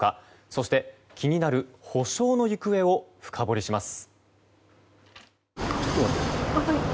そして気になる補償の行方を深掘りします。